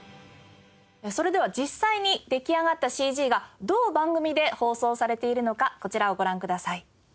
それでは実際に出来上がったＣＧがどう番組で放送されているのかこちらをご覧ください。